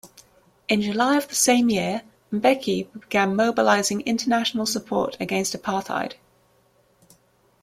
In July of the same year, Mbeki began mobilising international support against apartheid.